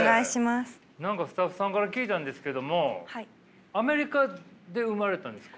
何かスタッフさんから聞いたんですけどもアメリカで生まれたんですか。